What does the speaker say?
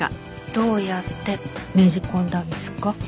どうやってねじ込んだんですか？